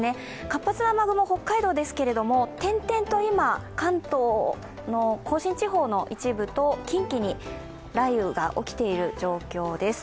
活発な雨雲、北海道ですけれども、点々と今、関東の甲信地方の一部と近畿に雷雨が起きている状況です。